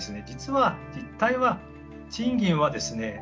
実は実態は賃金はですね